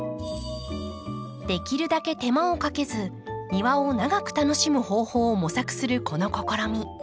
できるだけ手間をかけず庭を長く楽しむ方法を模索するこの試み。